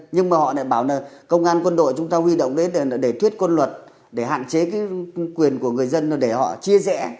nhưng mà họ lại bảo là công an quân đội chúng ta huy động đến để thuyết quân luật để hạn chế cái quyền của người dân để họ chia rẽ